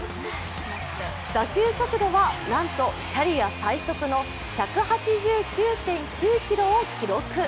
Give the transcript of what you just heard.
打球速度は何とキャリア最速の１８９．９キロを記録。